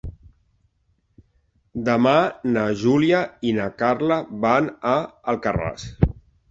Demà na Júlia i na Carla van a Alcarràs.